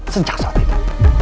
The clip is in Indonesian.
sejak saat itu